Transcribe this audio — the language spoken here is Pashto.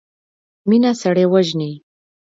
مينه سړی وژني.